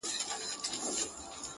څه به وايي دا مخلوق او عالمونه؟؛